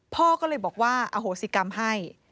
พ่อก็เลยบอกว่าอโหสิกรรมให้